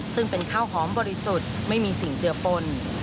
ซึ่งเป็นข้าวหอมบริสุทธิ์ไม่มีสิ่งเจือปน